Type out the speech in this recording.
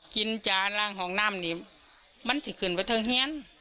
กินจานร่างห่องน้ำนี้มันสิขึ้นไปเทิงเฮียน